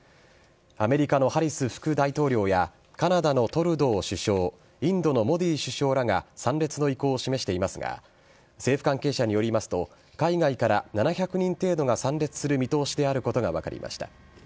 アメリカのハリス副大統領やカナダのトルドー首相インドのモディ首相らが参列の意向を示していますが政府関係者によりますと海外から７００人程度が参列する見通しであることが分かりました。